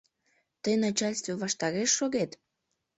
Тый начальстве ваштареш шогет?